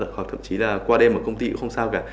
hoặc thậm chí là qua đêm ở công ty cũng không sao cả